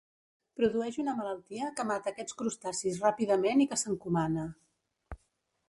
Produeix una malaltia que mata aquests crustacis ràpidament i que s’encomana.